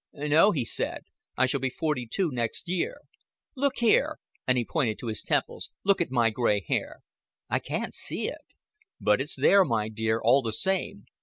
"No," he said, "I shall be forty two next year. Look here," and he pointed to his temples. "Look at my gray hair." "I can't see it." "But it's there, my dear, all the same.